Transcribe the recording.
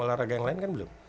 olahraga yang lain kan belum